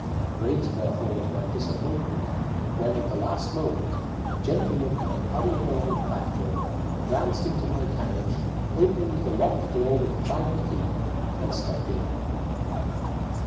Great, therefore, was my disappointment when, at the last moment, a gentleman came hurrying along the platform, glanced into my carriage, opened the locked door with a private key, a stepped in.